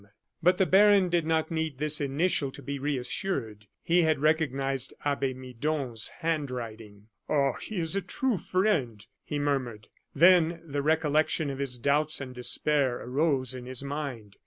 But the baron did not need this initial to be reassured. He had recognized Abbe Midon's handwriting. "Ah! he is a true friend," he murmured. Then the recollection of his doubts and despair arose in his mind.